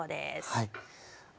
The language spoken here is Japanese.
はい。